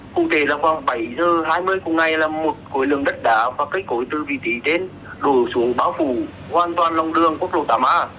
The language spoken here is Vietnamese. cụ thể là khoảng bảy h hai mươi cùng ngày là một cối lường đất đá và cây cối từ vị trí trên đổ xuống báo phủ hoàn toàn lòng đường quốc lộ tám a